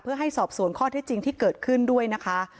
เพื่อให้สอบสวนข้อเท็จจริงที่เกิดขึ้นด้วยนะคะ